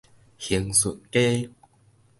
興順街